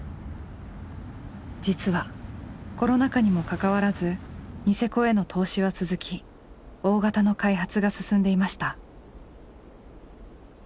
実はコロナ禍にもかかわらずニセコへの投資は続き大型の開発が進んでいました。